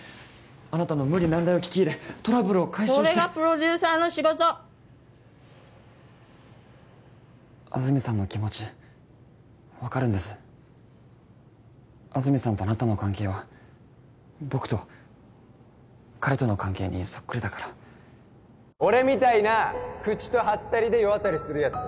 あなたの無理難題を聞き入れトラブルを解消してそれがプロデューサーの仕事安住さんの気持ち分かるんです安住さんとあなたの関係は僕と彼との関係にそっくりだから俺みたいな口とハッタリで世渡りするやつ